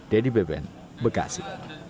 dedy beben bekasi